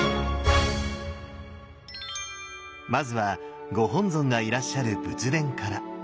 まずはご本尊がいらっしゃる仏殿から。